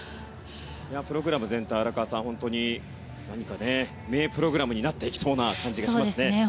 プログラム全体荒川さん、本当に何か名プログラムになっていきそうな感じがしますね。